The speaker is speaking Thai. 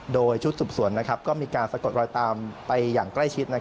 โดยชุดสืบสวนก็มีการสะกดรอยตามไปอย่างใกล้ชิด